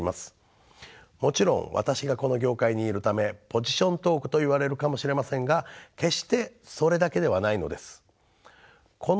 もちろん私がこの業界にいるためポジショントークといわれるかもしれませんが決してそれだけではないのです。